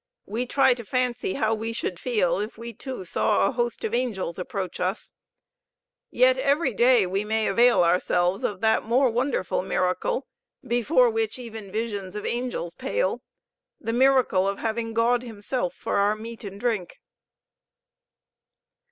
We try to fancy how we should feel, if we too saw a host of angels approach us. Yet every day we may avail ourselves of that more wonderful miracle, before which even visions of angels pale the miracle of having God Himself for our Meat and Drink.